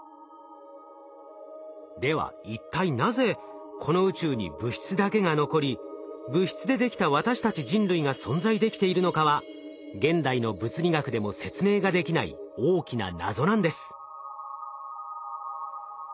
では一体なぜこの宇宙に物質だけが残り物質でできた私たち人類が存在できているのかは現代の物理学でも説明ができない大きな謎なんです。